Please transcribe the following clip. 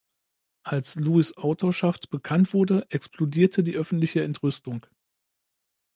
Als Lewis’ Autorschaft bekannt wurde, explodierte die öffentliche Entrüstung.